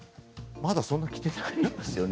まだそんなに着ていないですよね。